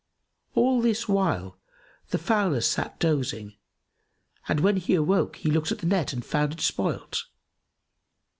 All this while, the fowler sat dozing, and when he awoke, he looked at the net and found it spoilt.